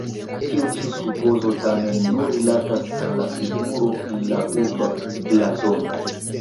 Tiu ĉi supozo tamen nur rilatas al la figuro en la urba blazono.